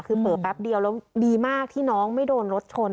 คือเผลอแป๊บเดียวแล้วดีมากที่น้องไม่โดนรถชน